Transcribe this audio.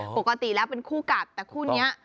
ปกติแล้วเป็นคู่กัดแต่คู่นี้